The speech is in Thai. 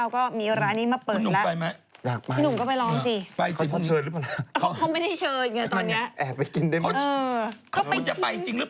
ผมก็ไปจริง